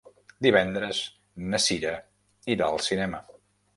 Divendres na Cira irà al cinema.